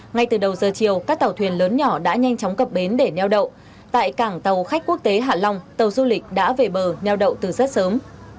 ngay từ đầu giờ chiều các tàu thuyền lớn nhỏ đã nhanh chóng cập bến để neo đậu tại cảng tàu khách quốc tế hạ long tàu du lịch đã về bờ nheo đậu từ rất sớm